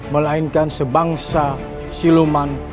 melainkan sebangsa siluman